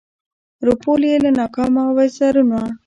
رپول یې له ناکامه وزرونه